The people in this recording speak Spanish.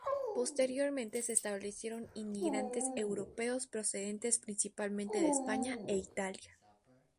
Posteriormente se establecieron inmigrantes europeos procedentes principalmente de España e Italia.